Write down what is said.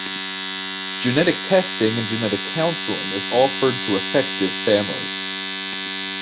Genetic testing and genetic counseling is offered to affected families.